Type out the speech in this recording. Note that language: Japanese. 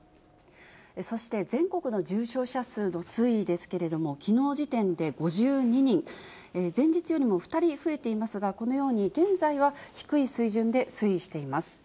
そして、全国の重症者数の推移ですけれども、きのう時点で５２人、前日よりも２人増えていますが、このように現在は、低い水準で推移しています。